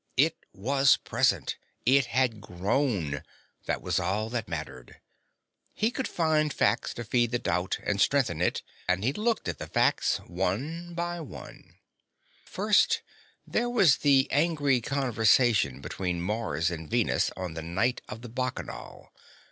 It was present, it had grown; that was all that mattered. He could find facts to feed the doubt and strengthen it, and he looked at the facts one by one: First there was the angry conversation between Mars and Venus, on the night of the Bacchanal.